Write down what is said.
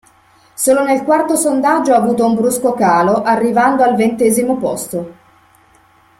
Solo nel quarto sondaggio ha avuto un brusco calo, arrivando al ventesimo posto.